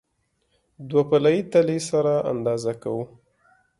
دوه پله یي تلې سره اندازه کوو.